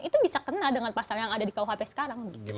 itu bisa kena dengan pasal yang ada di kuhp sekarang